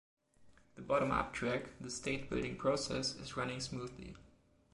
The bottom-up track — the State-building process — is running smoothly.